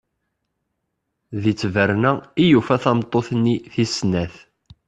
Di tberna i yufa tameṭṭut-nni tis snat.